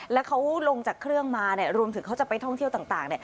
แล้วเขาลงจากเครื่องมารวมถึงเขาจะไปท่องเที่ยวต่าง